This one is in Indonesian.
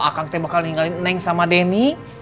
akan saya bakal ninggalin neng sama denny